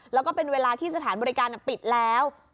แล้วก็เป็นเวลาที่สถานบริการปิดแล้ว